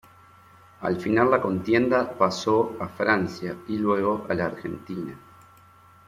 Al finalizar la contienda pasó a Francia y luego a la Argentina.